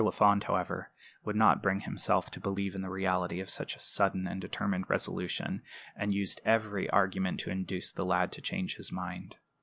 Lafond, however, would not bring himself to believe in the reality of such a sudden and determined resolution, and used every argument to induce the lad to change his mind.